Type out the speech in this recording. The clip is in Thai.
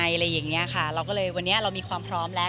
อะไรอย่างเงี้ยค่ะเราก็เลยวันนี้เรามีความพร้อมแล้ว